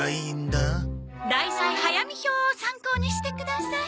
題材早見表を参考にしてください。